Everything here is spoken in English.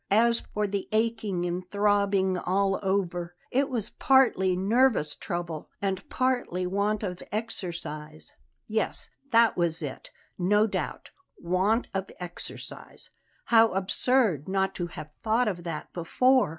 As for the aching and throbbing all over, it was partly nervous trouble and partly want of exercise. Yes, that was it, no doubt; want of exercise. How absurd not to have thought of that before!